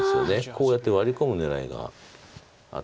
こうやってワリ込む狙いがあって。